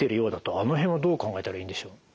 あの辺はどう考えたらいいんでしょう？